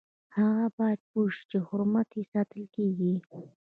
هغه باید پوه شي چې حرمت یې ساتل کیږي.